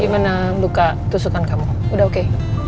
gimana luka tusukan kamu sudah oke